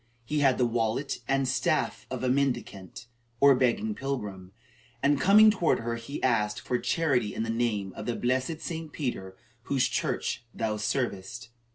He had the wallet and staff of a mendicant, or begging pilgrim, and, coming toward her, he asked for "charity in the name of the blessed St. Peter, whose church thou servest."